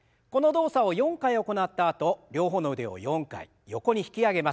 この動作を４回行ったあと両方の腕を４回横に引き上げます。